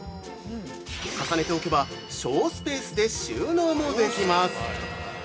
重ねておけば省スペースで収納もできます！